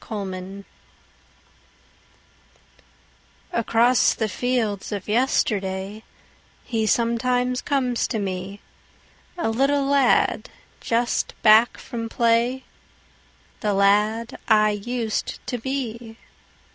Sometimes ACROSS the fields of yesterdayHe sometimes comes to me,A little lad just back from play—The lad I used to be.